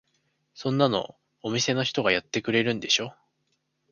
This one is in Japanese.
そんなのお店の人がやってくれるでしょ。